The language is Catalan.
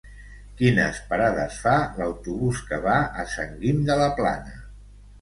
Quines parades fa l'autobús que va a Sant Guim de la Plana?